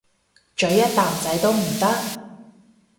咀一啖仔都唔得？